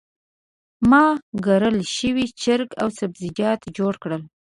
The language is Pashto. ما ګرل شوي چرګ او سبزیجات جوړ کړل.